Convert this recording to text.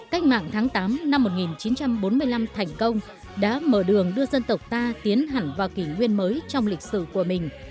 cách mạng tháng tám năm một nghìn chín trăm bốn mươi năm thành công đã mở đường đưa dân tộc ta tiến hẳn vào kỷ nguyên mới trong lịch sử của mình